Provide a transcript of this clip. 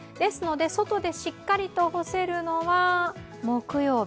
外でしっかりと干せるのは木曜日。